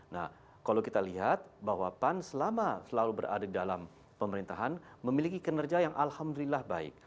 nah kalau kita lihat bahwa pan selama selalu berada di dalam pemerintahan memiliki kinerja yang alhamdulillah baik